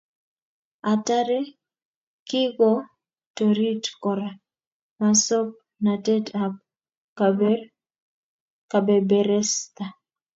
Atare, kikotorit kora masongnatet ab kabeberesta